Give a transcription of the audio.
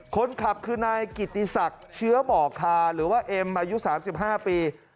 คนขับคือนายกิติศักดิ์เชื้อบ่อคาหรือว่าเอ็มอายุ๓๕ปี